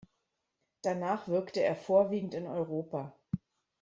Danach wirkte er vorwiegend in Europa.